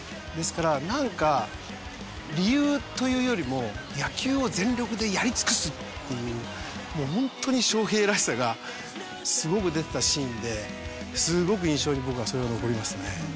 ですからなんか理由というよりも野球を全力でやり尽くすっていうもうホントに翔平らしさがすごく出てたシーンですごく印象に僕はそれが残りますね。